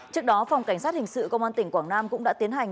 trước đó phòng cảnh sát hình sự công an tỉnh quảng nam cũng đã tiến hành